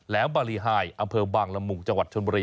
แล้วบารีไฮอำเภอบางละมุงจังหวัดชนบุรี